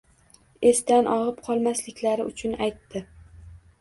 Esdan og‘ib qolmasliklari uchun aytdi.